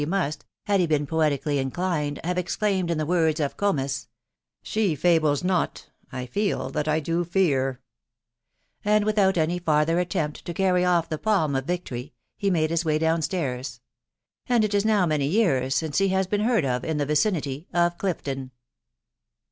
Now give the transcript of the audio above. he must, had he been poetically inclined, have exclaimed in the words of Comus, — M She fables not, I feel that I do fear/' and without any farther attempt to carry off the palm of vic tory, he made his way down stairs ; and it is now many years since he has been heard of in the vicinitv of Clifton.